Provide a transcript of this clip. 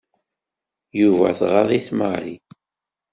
Yuba tɣaḍ-it Mary.